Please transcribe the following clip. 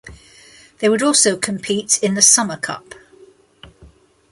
They would also compete in the Summer Cup.